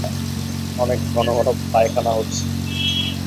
অনেক ঘন ঘন পায়খানা হচ্ছে।